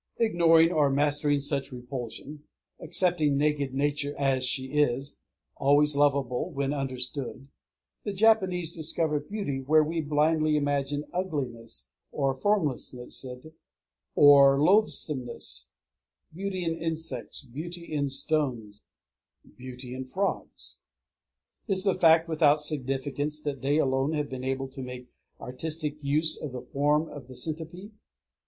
Ignoring or mastering such repulsion, accepting naked Nature as she is, always lovable when understood, the Japanese discover beauty where we blindly imagine ugliness or formlessness or loathsomeness, beauty in insects, beauty in stones, beauty in frogs. Is the fact without significance that they alone have been able to make artistic use of the form of the centipede?...